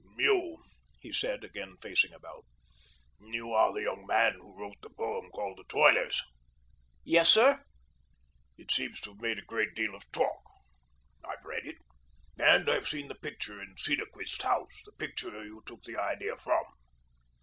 "You," he said, again facing about, "you are the young man who wrote the poem called 'The Toilers.'" "Yes, sir." "It seems to have made a great deal of talk. I've read it, and I've seen the picture in Cedarquist's house, the picture you took the idea from."